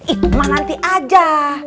itu mah nanti aja